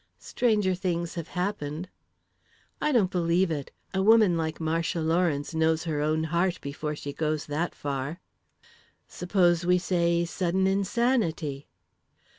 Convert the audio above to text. "Stranger things have happened." "I don't believe it!' A woman like Marcia Lawrence knows her own heart before she goes that far!" "Suppose we say sudden insanity?"